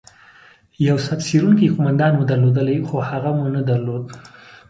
یو صف څیرونکی قومندان مو درلودلای، خو هغه مو نه درلود.